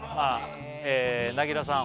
なぎらさん